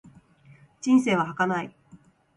人生は儚い。